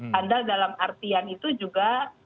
handal dalam artian itu juga